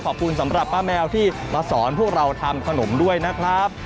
ขอบคุณสำหรับป้าแมวที่มาสอนพวกเราทำขนมด้วยนะครับ